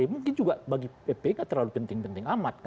mungkin juga bagi epi tidak terlalu penting penting amat